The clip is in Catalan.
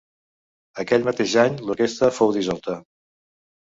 Aquell mateix any l'orquestra fou dissolta.